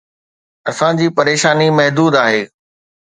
اسان جي پريشاني محدود آهي.